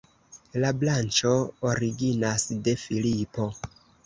La branĉo originas de Filipo.